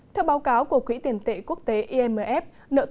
theo báo cáo của quỹ tiền tệ quốc tế imf